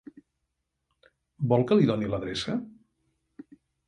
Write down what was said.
Vol que li doni l'adreça?